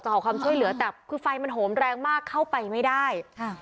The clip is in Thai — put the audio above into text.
ขอความช่วยเหลือแต่คือไฟมันโหมแรงมากเข้าไปไม่ได้ค่ะ